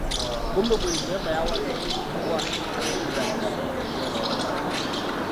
Kumpi buli mmemba yawalirizibwa okudda mu ssomero gye yasomerako.